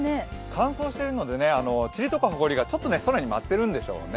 乾燥しているのでちりとかほこりが空を舞ってるんでしょうね。